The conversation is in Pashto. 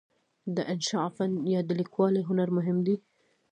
د انشأ فن یا د لیکوالۍ هنر مهم دی.